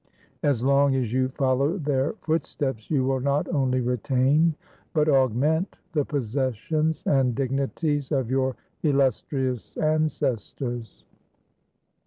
As long as you follow their footsteps, you will not only retain, but augment, the possessions and dignities of your illustrious ancestors."